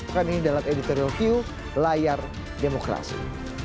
kan ini dalam editorial view layar demokrasi